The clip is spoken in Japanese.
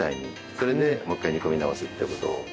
それでもう一回煮込み直すっていう事を。